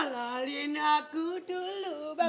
halalin aku dulu bang